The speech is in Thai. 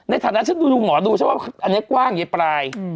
ในฐานะฐานนี้ก็คือเดี๋ยวหมอดูชัวร์ว่าอันนี้กว้างเย้ะปลา่ย